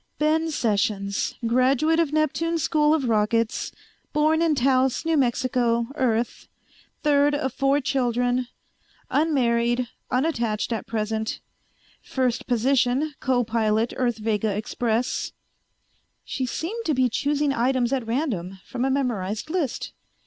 "Ben Sessions, graduate of Neptune School of Rockets; born in Taos, New Mexico, Earth; third of four children; unmarried, unattached at present; first position, co pilot Earth Vega Express ..." She seemed to be choosing items at random from a memorized list.